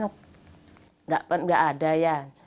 nggak ada ya